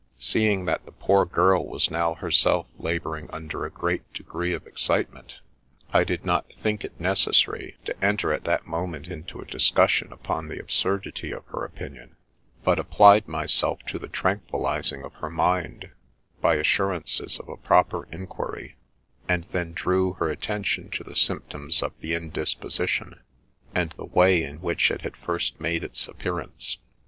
Seeing that the poor girl was now herself labouring under a great degree of excitement, I did not think it necessary to enter 116 SINGULAR PASSAGE IN THE LIFE OP at that moment into a discussion upon the absurdity of her opinion, but applied myself to the tranquillizing of her mind by assurances of a proper inquiry, and then drew her attention tib the symptoms of the indisposition, and the way hi which it had first made its appearance.